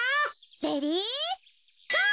レディーゴー！